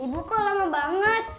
ibu kok lama banget